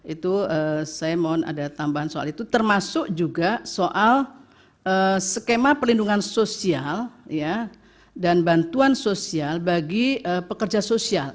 itu saya mohon ada tambahan soal itu termasuk juga soal skema pelindungan sosial dan bantuan sosial bagi pekerja sosial